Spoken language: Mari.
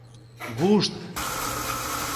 — Вушт!